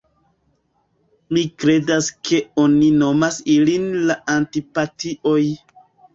Mi kredas ke oni nomas ilin la Antipatioj.